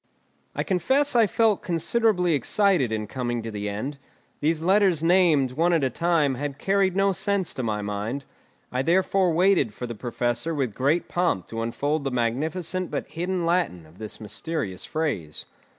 I confess I felt considerably excited in coming to the end; these letters named, one at a time, had carried no sense to my mind; I therefore waited for the Professor with great pomp to unfold the magnificent but hidden Latin of this mysterious phrase.